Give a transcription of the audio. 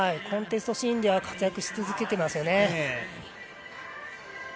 コンテストシーンでは活躍し続けていますよね。